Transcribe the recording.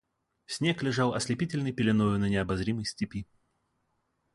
Снег лежал ослепительной пеленою на необозримой степи.